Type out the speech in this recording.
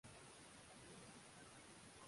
benki kuu inatengeneza mfumo wa fedha uliyo imara